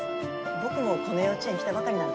僕もこの幼稚園来たばかりなんだ。